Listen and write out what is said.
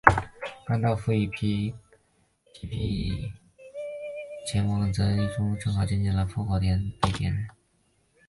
甘道夫与皮聘前往刚铎途中正好见到了烽火台被点燃。